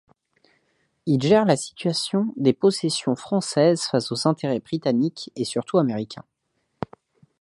Il gère la situation des possessions françaises face aux intérêts britanniques et surtout américains.